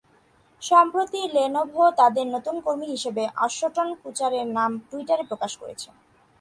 সম্প্রতি লেনোভো তাঁদের নতুন কর্মী হিসেবে অ্যাশটন কুচারের নাম টুইটারে প্রকাশ করেছে।